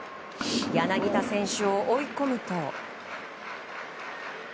柳田選手を追い込むと。